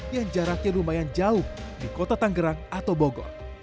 yang jaraknya lumayan jauh di kota tanggerang atau bogor